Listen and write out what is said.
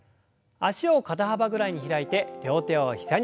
脚を肩幅ぐらいに開いて両手を膝に。